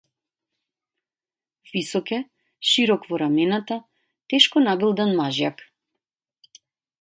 Висок е, широк во рамената, тешко набилдан мажјак.